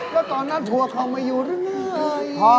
แล้วตอนนั้นหัวเขาไม่อยู่หรือไง